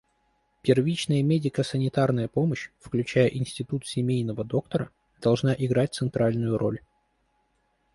Первичная медико-санитарная помощь, включая институт семейного доктора, должна играть центральную роль.